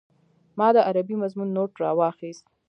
ما د عربي مضمون نوټ راواخيست.